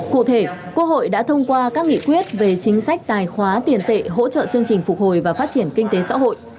cụ thể quốc hội đã thông qua các nghị quyết về chính sách tài khóa tiền tệ hỗ trợ chương trình phục hồi và phát triển kinh tế xã hội